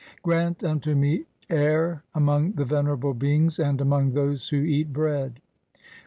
Grant unto me air among the venerable beings "and among those who eat bread."